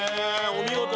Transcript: お見事！